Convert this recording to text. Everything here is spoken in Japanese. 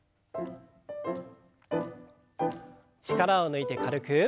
力を抜いて軽く。